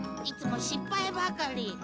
いつも失敗ばかり。